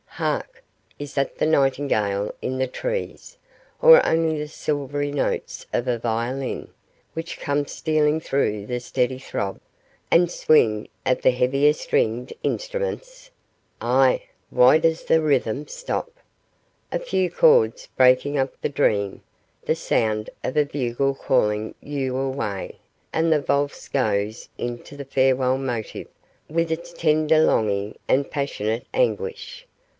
Hark! is that the nightingale in the trees, or only the silvery notes of a violin, which comes stealing through the steady throb and swing of the heavier stringed instruments? Ah! why does the rhythm stop? A few chords breaking up the dream, the sound of a bugle calling you away, and the valse goes into the farewell motif with its tender longing and passionate anguish.